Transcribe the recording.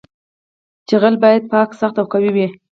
جغل باید پاک سخت او قوي وي